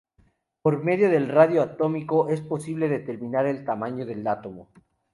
Por medio del radio atómico, es posible determinar el tamaño del átomo.